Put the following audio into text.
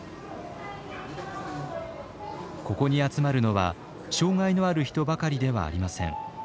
ここに集まるのは障害のある人ばかりではありません。